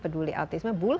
meliku diitas tapi enggak